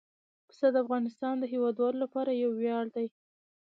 پسه د افغانستان د هیوادوالو لپاره یو ویاړ دی.